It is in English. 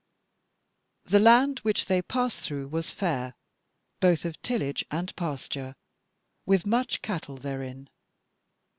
The land which they passed through was fair, both of tillage and pasture, with much cattle therein.